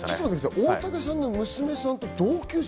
大竹さんの娘さんと同級生？